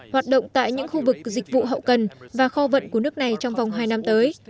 hoạt động tại những khu vực dịch vụ hậu cần và kho vận của nước này trong vòng hai năm tới